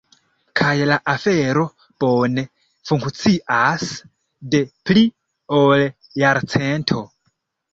Kaj la afero bone funkcias de pli ol jarcento.